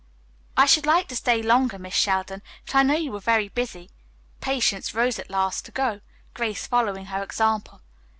"I should like to stay longer, Miss Sheldon, but I know you are very busy." Patience rose at last to go, Grace following her example.